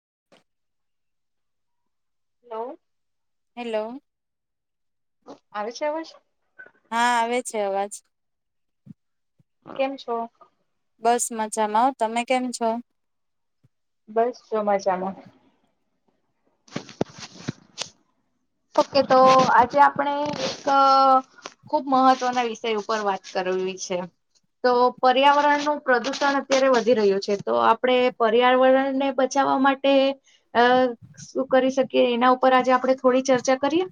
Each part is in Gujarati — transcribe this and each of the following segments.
[inaudible] હલો હેલો આવે છે આવ છે હા આવે છે અવાજ કેમ છો બસ મજામાં આવ તમે કેમ છો બસ જો મજામાં ઓકે તો આજે આપણે એક ખુબ મહત્વના વિષય ઉપર વાત કરવી છે તો પર્યાવરણનું પ્રદુષણ અત્યારે વધી રહ્યું છે તો આપણે પર્યાવરણને બચાવવા માટે શું કરી શકીએ એના ઉપર આજે આપણે થોડી ચર્ચા કરીએ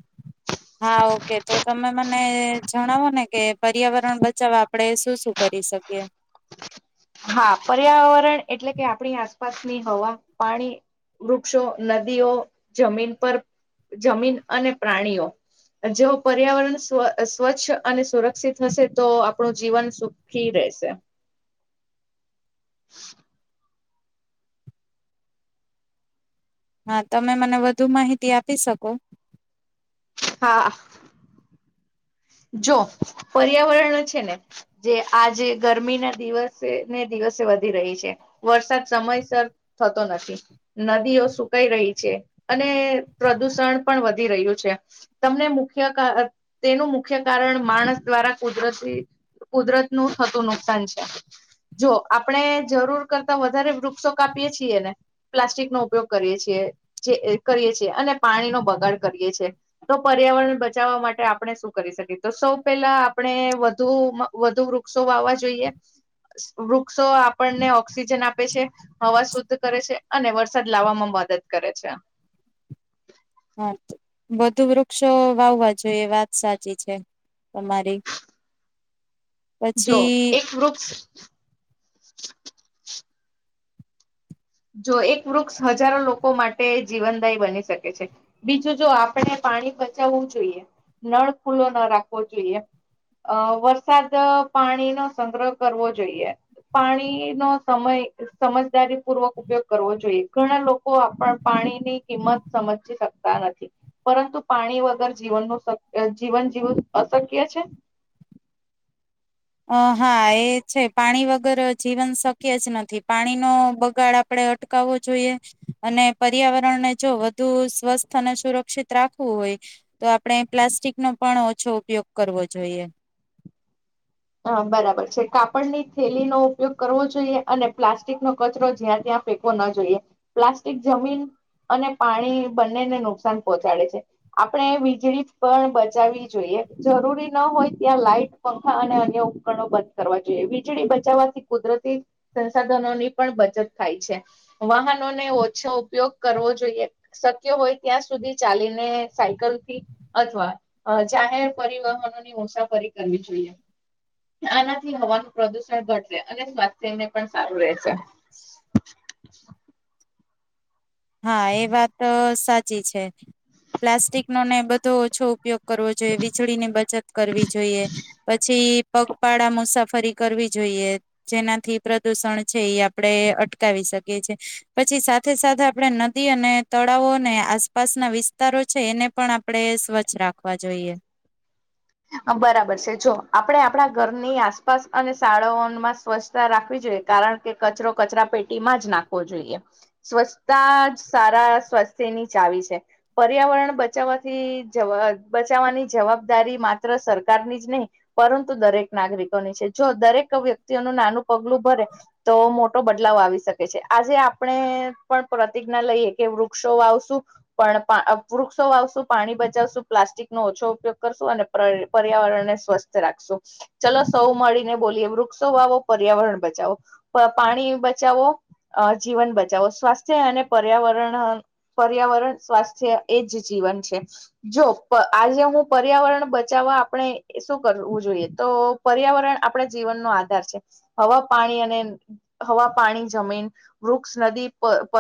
હા ઓકે તો તમે મને જણાવો ને કે પર્યાવરણ બચાવવા આપણેે શું શું કરી શકીએ આપાસની હવા પાણી વૃક્ષો નદીઓ જમીન પર જમીન અને પ્રાણીઓ જો પર્યાવરણ સ્વ સ્વચ્છ અને સુરક્ષિત હશે તો આપણું જીવન સુખી રહેશે [inaudible] હા તમે મને વધુ માહિતી આપી શકો આફ જો પર્યાવરણ છે ને જે આજે ગરમી ના દિવસે ને દિવસે વધી રહી છે વરસાદ સમયસર થતો નથી નદીઓ સુકાઈ રહી છે અને પ્રદુષણ પણ વધી રહ્યું છે તમને મુખ્ય તેનું મુ કાર માણસ દ્વારા કુદરતી કુદરત નું થતું નુકસાન છે જો આપણે જરૂર કરતા વધારે વૃક્ષો કાપીએ છીએ ને પ્લાસ્ટિક નો ઉપયોગ કરીએ છીએ જે કરીએ છીએ અને પાણીનોો બગાડ કરીએ છીએ તો પર્યાવરણ બચાવવા માટે આપણે કરી શકીએ તો સૌ પેહેલા આપણે વધુ વધુ વૃક્ષો વાવા જોઈએ વૃક્ષો આપણને ઓક્સિજન આપે છે હવા શુદ્ધ કરે છે અને વરસાદ લાવવામાં મદદ કરે છે હા બધું વૃક્ષો વાવવા જોઈએ વાત સાચી છે તમારી જો પછી એક વૃક્ષ જો એક વૃક્ષ હજારો લોકો માટે જીવનદાયી બની શકે છે બીજું જો આપણે પાણી બચાવવું જોઈએ નળ ખુલ્લો ના રાખવો જોઈએ અ વરસાદ પાણીનોો સંગ્રહ કરવો જોઈએ પાણીનો સમય સમજદારી પૂર્વક ઉપયોગ કરવો જોઈએ ઘણા લોકો આપણ પાણીની કિંમત સમજીજી શકતા નથી પરંતુ પાણી વગર જીવનનું જીવન જીવું અશક્ય છે અ હા એ છે પાણી વગર જીવન શક્ય જ નથી પાણીનો બગાડ આપણે અટકાવવો જોઈએ અને પર્યાવરણને જો વધુ સ્વસ્થ અને સુરક્ષિત રાખવું હોય તો આપણે પ્લાસ્ટિકનોો પણ ઓછો ઉપયોગ કરવો જોઈએ હ બરાબર છે કાપડની થેલી નો ઉપયોગ કરવો જોઈએ અને પ્લાસ્ટિક નો કચરો જ્યાં ત્યાં ફેંકવો ન જોઈએ પ્લાસ્ટિક જમીન અને પાણી બંનેને નુકસાન પહોંચાડે છે આપણે વીજળી પણ બચાવવી જોઈએ જરૂરી ન હોય ત્યાં લાઈટ પંખા અને ઉપકરણ બંધ કરવા જોઈએ વીજળી બચાવવાથી કુદરતી સંસાધનોની પણ બચત થાય છે વાહનોને ઓછો ઉપયોગ કરવો જોઈએ શક્ય હોય ત્યાં સુધી ચાલીને સાયકલથી અથવા જાહેર પરિવહનો ની મુસાફરી કરવી જોઈએ આનાથી હવાનું પ્રદુષણ ઘટશે અને સ્વાસ્થ્યને પણ સારું રહેશે હા એ વાત સાચ પ્લાસ્ટિક નો ને બધો ઓછો ઉપયોગ કરવો જોઈએ વીજળી ની બચત કરવી જોઈએ પછી પગપાળા મુસાફરી કરવી જોઈએ જેનાથી પ્રદુષણ છે એ આપડે અટકાવી શકીએ છીએ પછી સાથે સાથે આપણે નદી અને તળાવો અને આસપાસના વિસ્તારો છે એને પણ આપણે સ્વચ્છ રાખવા જોઈએ બરાબર છે જો આપણે આપણા ઘરની આસપાસ અને શાળાઓમાં સ્વચ્છતા રાખવી જોઈએ કારણ કે કચરો કચરા પેટીમાં જ નાખવો જોઈએ સ્વચ્છતા જ સારા સ્વસ્થ્યની ચાવી છે પર્યાવરણ બચાવવાથી જ બચાવવાની જવાબદારી મા સરકારની જ નહીં પરંતુ દરેક નાગરિકોની છે જો દરેક વ્યક્તિઓનું નાનું પગલું ભરે તો મોટો બદલાવ આવી શકે છે આજે આપણે પણ પ્રતિજ્ઞા લઈએ કે વૃક્ષો વાવશું પણ વૃક્ષો વાવશું પાણી બચાવશું પ્લાસ્ટિક નો ઓછો ઉપયોગ કરશું અને પર્યાવરણને સ્વસ્થ રાખશું ચલો સૌ મળીને બોલીએ વૃક્ષો વાવો પર્યાવરણ બચાવો પાણી બચાવો જીવન બચાવો સ્વાસ્થ્ય અને પર્યાવરણ પર્યાવરણ સ્વાસ્થ્ય એ જ જીવન છે જો આજે હું પર્યાવરણ બચવા આપણે શું કરવું જોઈએ તો પર્યાવરણ આપણા જીવનનો આધાર છે હવા પાણી અને હવા પાણી જમીન વૃક્ષ નદી પ પર્વત